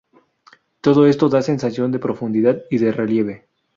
Todo esto da sensación de profundidad y de relieve.